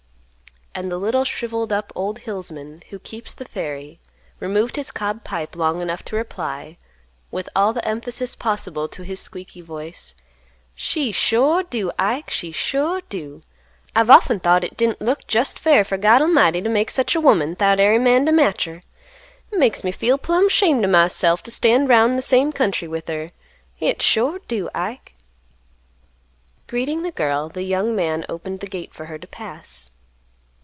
And the little shrivelled up old hillsman, who keeps the ferry, removed his cob pipe long enough to reply, with all the emphasis possible to his squeaky voice, "She sure do, Ike. She sure do. I've often thought hit didn't look jest fair fer God 'lmighty t' make sech a woman 'thout ary man t' match her. Makes me feel plumb 'shamed o' myself t' stand 'round in th' same county with her. Hit sure do, Ike." Greeting the girl the young man opened the gate for her to pass.